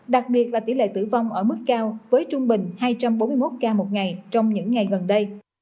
đặc biệt là tỷ lệ tử vong ở mức cao với trung bình hai trăm bốn mươi một ca một ngày trong những ngày gần đây